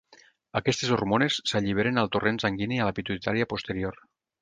Aquestes hormones s'alliberen al torrent sanguini a la pituïtària posterior.